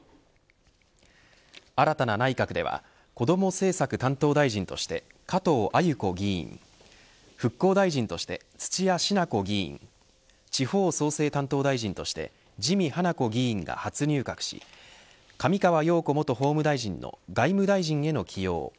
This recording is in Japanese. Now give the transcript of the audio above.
新たな内閣ではこども政策担当大臣として加藤鮎子議員復興大臣として土屋品子議員地方創生担当大臣として自見英子議員が初入閣し上川陽子元法務大臣の外務大臣への起用